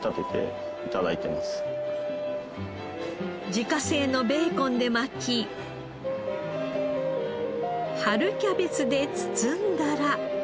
自家製のベーコンで巻き春キャベツで包んだら。